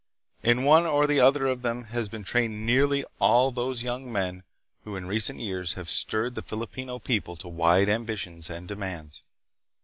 In one or the other of them have been trained nearly all of those young men who in recent years have stirred the Filipino people to wide ambitions and demands.